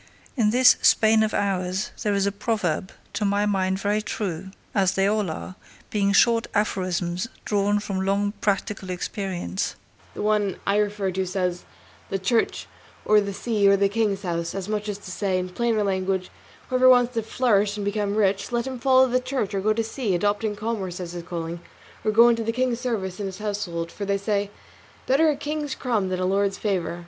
In this Spain of ours there is a proverb, to my mind very true as they all are, being short aphorisms drawn from long practical experience and the one I refer to says, 'The church, or the sea, or the king's house;' as much as to say, in plainer language, whoever wants to flourish and become rich, let him follow the church, or go to sea, adopting commerce as his calling, or go into the king's service in his household, for they say, 'Better a king's crumb than a lord's favour.